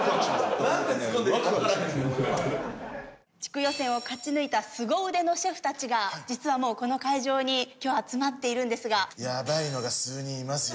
俺は地区予選を勝ち抜いたすご腕のシェフたちが実はもうこの会場に今日集まっているんですがやばいのが数人いますよ